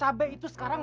cabai itu sekarang